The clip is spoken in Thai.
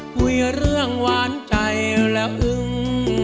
คุยเรื่องหวานใจและอึ้ง